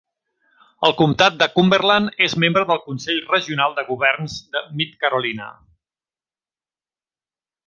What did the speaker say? El comptat de Cumberland és membre del Consell Regional de governs de Mid-Carolina.